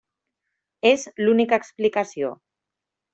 És l'única explicació.